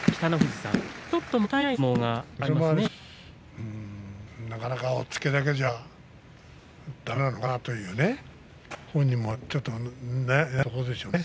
それもありますしねなかなか押っつけだけじゃだめなのかなという本人も悩むところでしょうね。